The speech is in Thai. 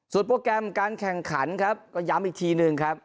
โปรแกรมการแข่งขันครับก็ย้ำอีกทีหนึ่งครับ